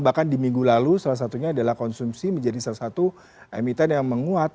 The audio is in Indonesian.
bahkan di minggu lalu salah satunya adalah konsumsi menjadi salah satu emiten yang menguat